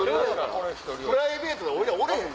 プライベートで俺らおれへん。